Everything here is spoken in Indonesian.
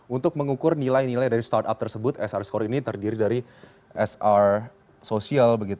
untuk mengukur nilai nilai dari startup tersebut sr score ini terdiri dari sr sosial